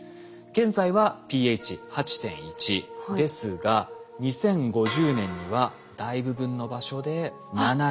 現在はｐＨ８．１ですが２０５０年には大部分の場所で７．９になります。